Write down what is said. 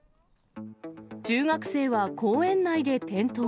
中学生は公園内で転倒。